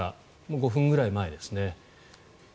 ５分ぐらい前ですね。